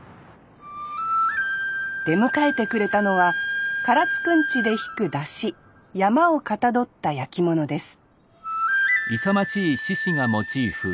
出迎えてくれたのは唐津くんちで引く山車曳山をかたどった焼き物です